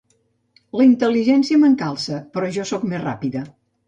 La intel·ligència m'encalça, però jo sóc més ràpida.